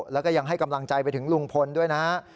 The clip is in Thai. แล้วก็ยังให้กำลังใจไปถึงลุงพลด้วยนะฮะ